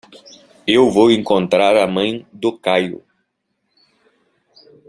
Eu vou encontrar a mãe do Kyle.